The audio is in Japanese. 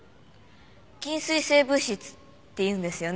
禁水性物質っていうんですよね。